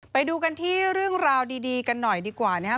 ไปดูกันที่เรื่องราวดีกันหน่อยดีกว่านะครับ